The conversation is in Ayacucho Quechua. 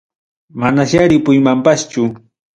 Manasya ripuymanpaschu.